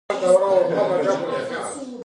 На горе Арарат рвала Варвара виноград.